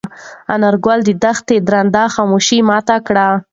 انارګل د دښتې درنه خاموشي ماته کړه.